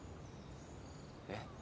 えっ？